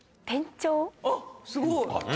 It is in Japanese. おっすごい！